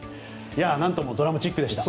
なんともドラマチックでした。